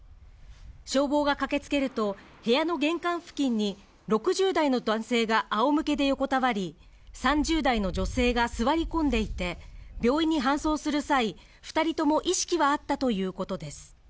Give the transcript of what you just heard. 消防が駆けつけると、部屋の玄関付近に６０代の男性があおむけで横たわり、３０代の女性が座り込んでいて、病院に搬送する際、２人とも意識はあったということです。